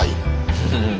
フフフ。